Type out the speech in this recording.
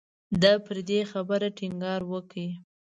ده پر دې خبرې ټینګار وکړ.